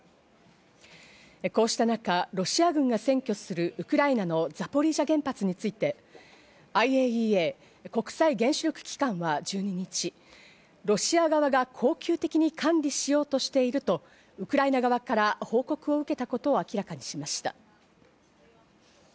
こうしたなか、ロシア軍が占拠するウクライナのザポリージャ原発について、ＩＡＥＡ＝国際原子力機関は１２日、ロシア側が恒久的に管理しようとしていると、ウクライナ側から報告を受けたことを明らかにしました。